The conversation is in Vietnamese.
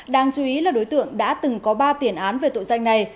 đáng chú ý là đối tượng đã từng có ba tiền án về tội danh này